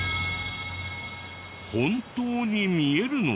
本当に見えるのか？